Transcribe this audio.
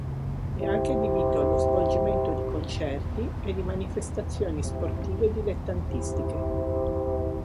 È anche adibito allo svolgimento di concerti e di manifestazioni sportive dilettantistiche.